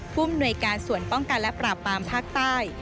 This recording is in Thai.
ภูมิหน่วยการส่วนป้องกันและปราบปามภาคใต้